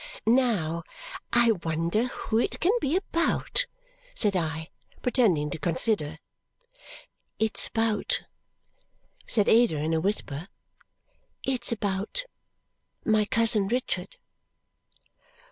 "Now, I wonder who it can be about?" said I, pretending to consider. "It's about " said Ada in a whisper. "It's about my cousin Richard!"